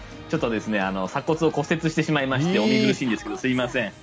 ちょっと鎖骨を骨折してしまいましてお見苦しいんですけどすいません。